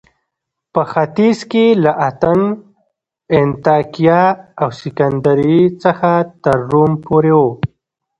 په ختیځ کې له اتن، انطاکیه او سکندریې څخه تر روم پورې و